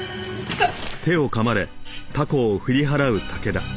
あっ。